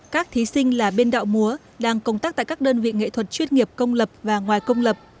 các thí sinh là biên đạo múa đang công tác tại các đơn vị nghệ thuật chuyên nghiệp công lập và ngoài công lập